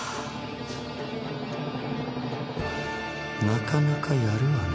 なかなかやるわね